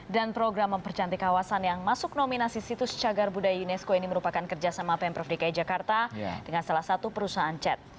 dan program mempercantik kawasan yang masuk nominasi situs jagar budaya unesco ini merupakan kerjasama pemprov dki jakarta dengan salah satu perusahaan cat